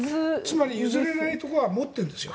つまり譲れないところは持っているんですよ。